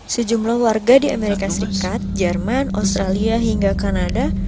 sejumlah warga di amerika serikat jerman australia hingga kanada